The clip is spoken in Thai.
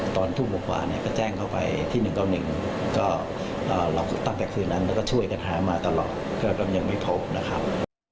ตอนทุ่มกว่าเนี่ยก็แจ้งเข้าไปที่๑๙๑ก็ล็อกตั้งแต่คืนนั้นแล้วก็ช่วยกันหามาตลอดก็ยังไม่พบนะครับ